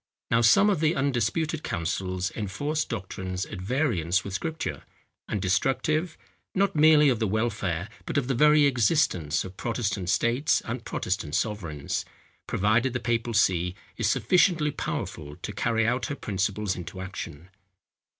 Now some of the undisputed councils enforce doctrines at variance with Scripture, and destructive, not merely of the welfare, but of the very existence, of Protestant states and Protestant sovereigns, provided the papal see is sufficiently powerful to carry out her principles into action.